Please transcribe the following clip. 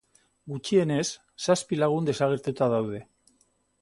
Gutxienez, zazpi lagun desagertuta daude.